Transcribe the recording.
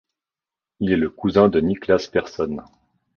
Il est le cousin de Niklas Persson.